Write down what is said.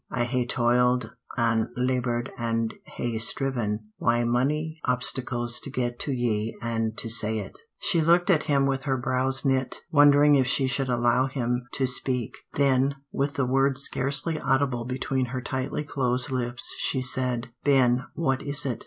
I hae toiled an' laboured an' hae striven wi' mony obstacles to get to ye an' to say it." She looked at him, with her brows knit, wondering if she should allow him to speak; then, with the words scarcely audible between her tightly closed lips, she said: "Ben, what is it?"